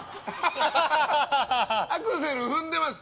アクセル踏んでます！